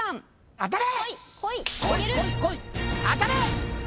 当たれ！